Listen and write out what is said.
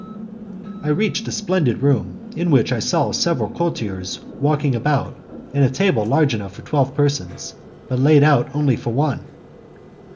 I reached a splendid room in which I saw several courtiers walking about, and a table large enough for twelve persons, but laid out only for one.